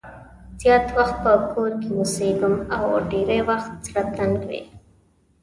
زیات وخت په کور کې اوسېږم او ډېری وخت زړه تنګ وي.